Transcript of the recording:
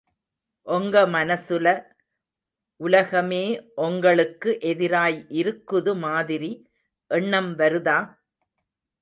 ஒங்க மனசுல உலகமே ஒங்களுக்கு எதிராய் இருக்குது மாதிரி எண்ணம் வருதா?